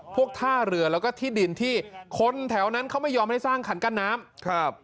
ท่าเรือแล้วก็ที่ดินที่คนแถวนั้นเขาไม่ยอมให้สร้างขันกั้นน้ำครับ